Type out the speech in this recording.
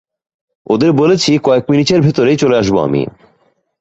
ওদের বলেছি, কয়েক মিনিটের ভেতরেই চলে আসবো আমি!